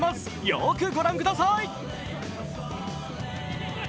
よーく御覧ください。